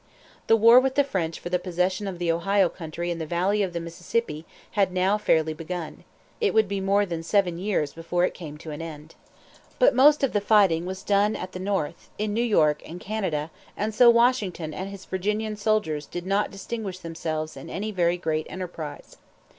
The war with the French for the possession of the Ohio Country and the valley of the Mississippi, had now fairly begun. It would be more than seven years before it came to an end. But most of the fighting was done at the north in New York and Canada; and so Washington and his Virginian soldiers did not distinguish themselves in any very great enterprise.